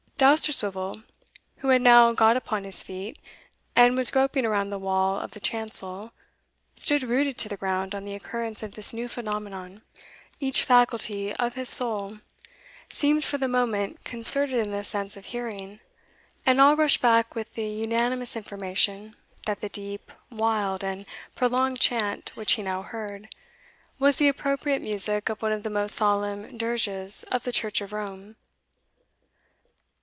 Dousterswivel, who had now got upon his feet, and was groping around the wall of the chancel, stood rooted to the ground on the occurrence of this new phenomenon. Each faculty of his soul seemed for the moment concentred in the sense of hearing, and all rushed back with the unanimous information, that the deep, wild, and prolonged chant which he now heard, was the appropriate music of one of the most solemn dirges of the Church of Rome.